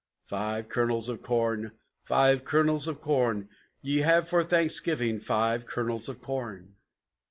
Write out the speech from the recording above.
Five Kernels of Corn! Five Kernels of Corn! Ye have for Thanksgiving Five Kernels of Corn!"